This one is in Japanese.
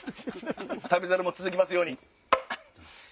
『旅猿』も続きますように。